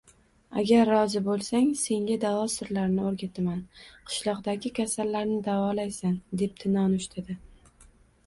Agar rozi bo‘lsang, senga davo sirlarini o‘rgataman, qishloqdagi kasallarni davolaysan, – debdi, nonushtada